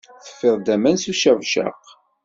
Teffi-d aman s ucabcaq.